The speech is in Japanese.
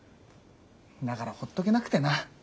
だからほっとけなくてな。